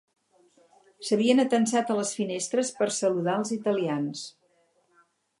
S'havien atansat a les finestres per saludar els italians